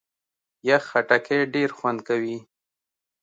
یخ خټکی ډېر خوند کوي.